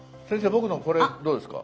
僕のこれどうですか？